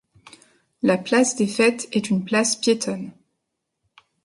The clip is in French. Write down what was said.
La place des Fêtes est une place piétonne.